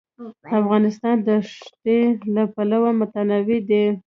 افغانستان د ښتې له پلوه متنوع دی.